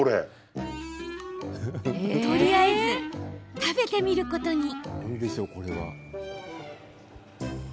とりあえず食べてみることに。